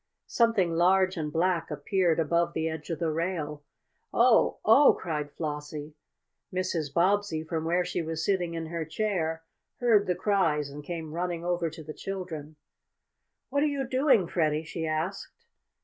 Something large and black appeared above the edge of the rail. "Oh! Oh!" cried Flossie. Mrs. Bobbsey, from where she was sitting in her chair, heard the cries and came running over to the children. "What are you doing, Freddie?" she asked.